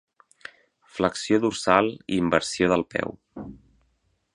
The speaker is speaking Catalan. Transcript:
Flexió dorsal i inversió del peu.